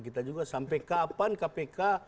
kita juga sampai kapan kpk